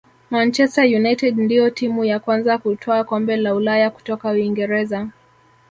manchester united ndiyo timu ya kwanza kutwaa kombe la ulaya kutoka uingereza